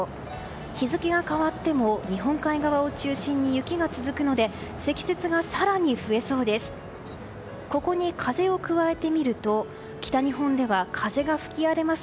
日付が変わっても日本海側を中心に雪が続くので積雪が更に増えそうです。